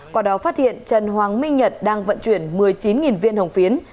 qua đó phát hiện trần hoàng minh nhật đang vận chuyển một mươi chín viên hồng phiến